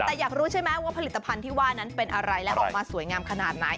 แต่อยากรู้ใช่ไหมว่าผลิตภัณฑ์ที่ว่านั้นเป็นอะไรและออกมาสวยงามขนาดไหน